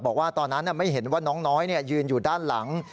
บอกว่าตอนนั้นไม่เห็นว่าน้องน้อยยืนอยู่ด้านหลัง